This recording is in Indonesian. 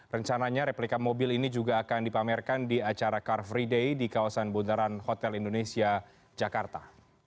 rencananya replika mobil ini juga akan dipamerkan di acara car free day di kawasan bundaran hotel indonesia jakarta